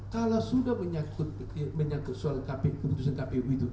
kalau sudah menyangkut soal keputusan kpu itu